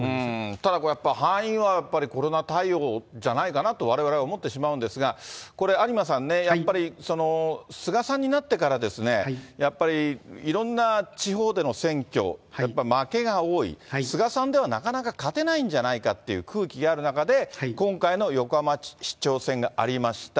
ただやっぱり敗因はコロナ対応じゃないかなとわれわれは思ってしまうんですが、これ、有馬さんね、やっぱり菅さんになってから、やっぱりいろんな地方での選挙、負けが多い、菅さんではなかなか勝てないんじゃないかっていう空気がある中で、今回の横浜市長選がありました。